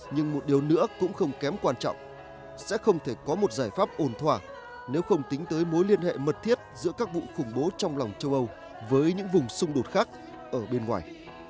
nhưng một điều nữa cũng không kém quan trọng sẽ không thể có một giải pháp ổn thỏa nếu không tính tới mối liên hệ mật thiết giữa các vụ khủng bố trong lòng châu âu với những vùng xung đột khác ở bên ngoài